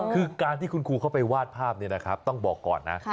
คือการที่คุณครูเข้าไปวาดภาพต้องบอกก่อนนะ